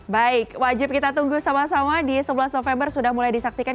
baik wajib kita tunggu sama sama di sebelas november sudah mulai disaksikan